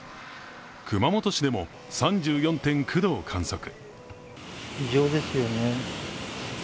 熊本市でも３４．９度を観測。